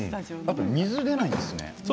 水にあけないんですね。